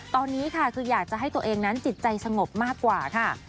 ตอนนี้ค่ะคืออยากจะให้ตัวเองนั้นจิตใจสงบมากกว่าค่ะ